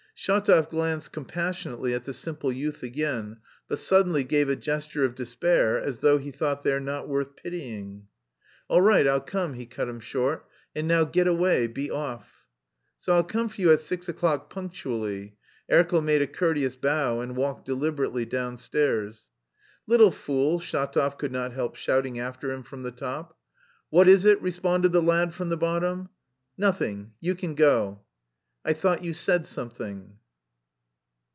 Shatov glanced compassionately at the simple youth again, but suddenly gave a gesture of despair as though he thought "they are not worth pitying." "All right, I'll come," he cut him short. "And now get away, be off." "So I'll come for you at six o'clock punctually." Erkel made a courteous bow and walked deliberately downstairs. "Little fool!" Shatov could not help shouting after him from the top. "What is it?" responded the lad from the bottom. "Nothing, you can go." "I thought you said something."